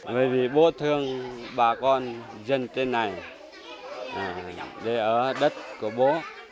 bởi vì bố thương bà con dân thế này để ở đất của bố